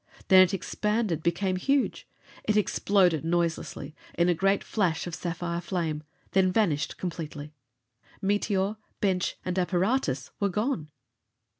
Then it expanded; became huge. It exploded noiselessly, in a great flash of sapphire flame, then vanished completely. Meteor, bench, and apparatus were gone!